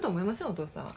お父さん。